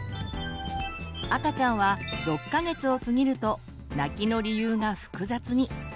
赤ちゃんは６か月を過ぎると泣きの理由が複雑に。